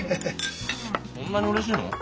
そんなにうれしいの？